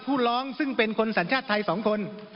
ผู้ร้องซึ่งเป็นคนสัญชาติไทย๒คน